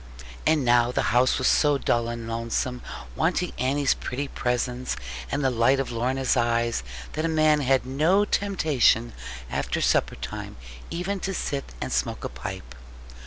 And now the house was so dull and lonesome, wanting Annie's pretty presence, and the light of Lorna's eyes, that a man had no temptation after supper time even to sit and smoke a pipe.